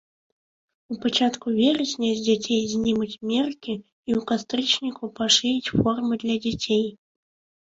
У пачатку верасня з дзяцей знімуць меркі і ў кастрычніку пашыюць форму для дзяцей.